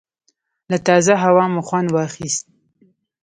له تازه هوا مو خوند واخیست.